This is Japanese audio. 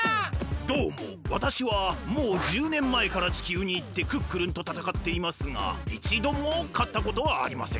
どうもわたしはもう１０年前から地球にいってクックルンとたたかっていますがいちどもかったことはありません。